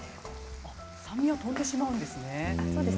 酸味が飛んでしまうんですね。